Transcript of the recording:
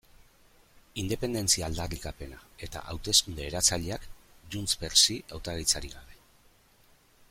Independentzia aldarrikapena eta hauteskunde eratzaileak JxSí hautagaitzarik gabe.